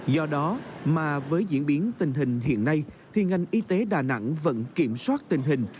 do đó mà với diễn biến tình hình hiện nay thì ngành y tế đà nẵng vẫn kiểm soát tình hình